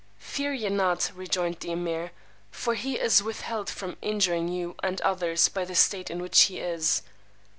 Fear ye not, rejoined the Emeer; for he is withheld from injuring you and others by the state in which he is.